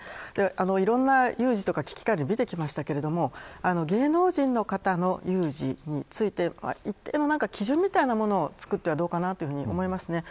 いろんな有事とか危機管理を見てきましたが芸能人の方の有事について一定の記事みたいなものを作ってはどうかなと思いますね。